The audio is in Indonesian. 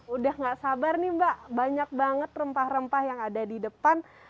udah gak sabar nih mbak banyak banget rempah rempah yang ada di depan